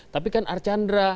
tapi kan archandra